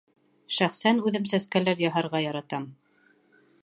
Шәхсән үҙем сәскәләр яһарға яратам.